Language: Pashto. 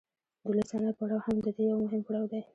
د لوی صنعت پړاو هم د دې یو مهم پړاو دی